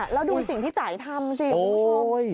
แล้วดูสิ่งที่จ่ายทำสิคุณผู้ชม